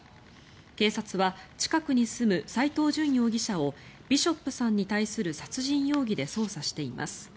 警察は近くに住む斎藤淳容疑者をビショップさんに対する殺人容疑で捜査しています。